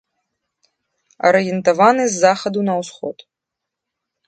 Арыентаваны з захаду на ўсход.